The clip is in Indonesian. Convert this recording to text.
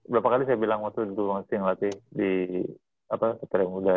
berapa kali saya bilang waktu dulu nge sync latih di setelah muda